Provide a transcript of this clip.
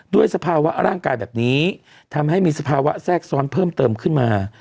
สภาวะร่างกายแบบนี้ทำให้มีสภาวะแทรกซ้อนเพิ่มเติมขึ้นมา